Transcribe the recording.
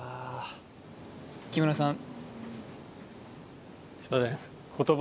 木村さん